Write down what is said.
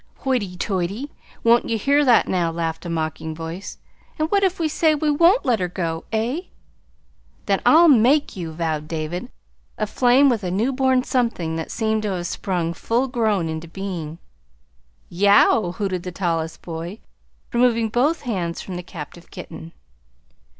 "Hoity toity! Won't ye hear that now?" laughed a mocking voice. "And what if we say we won't let her go, eh?" "Then I'll make you," vowed David, aflame with a newborn something that seemed to have sprung full grown into being. "Yow!" hooted the tallest boy, removing both hands from the captive kitten.